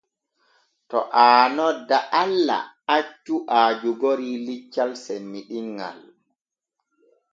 To aa nodda Allah accu aa jogori liccal semmiɗinŋal.